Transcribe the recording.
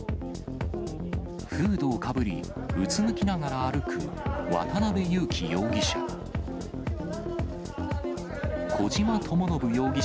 フードをかぶり、うつむきながら歩く渡辺優樹容疑者。